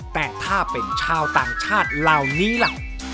แต่ถ้าเป็นชาวต่างชาติเหล่านี้ล่ะ